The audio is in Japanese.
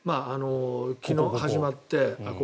昨日、始まって。